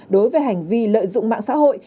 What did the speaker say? đối với hành vi lợi dụng mạng xã hội